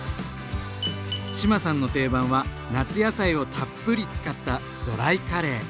志麻さんの定番は夏野菜をたっぷり使ったドライカレー。